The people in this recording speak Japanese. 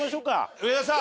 上田さん。